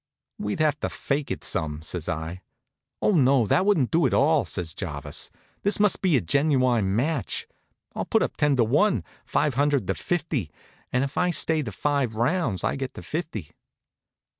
"We'd have to fake it some," says I. "Oh, no, that wouldn't do at all," says Jarvis. "This must be a genuine match. I'll put up ten to one, five hundred to fifty; and if I stay the five rounds I get the fifty."